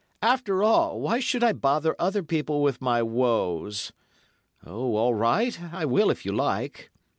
'After all, why should I bother other people with my woes. Oh, all right, I will if you like.